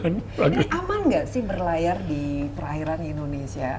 ini aman gak sih berlayar di terakhiran indonesia